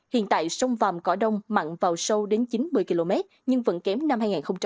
hiện tại sông vàm cỏ đông mặn vào sâu đến chín mươi km nhưng vẫn kém năm hai nghìn một mươi bảy